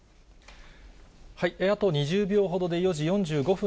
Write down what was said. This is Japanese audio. あと２０秒ほどで４時４５分